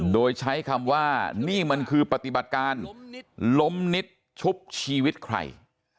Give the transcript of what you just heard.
โดยใช้คำว่านี่มันคือปฏิบัติการล้มนิดชุบชีวิตใคร